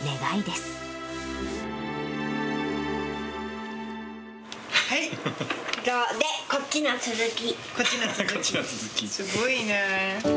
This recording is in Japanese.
すごいね。